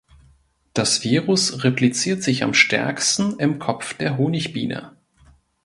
Das Virus repliziert sich am stärksten im Kopf der Honigbiene.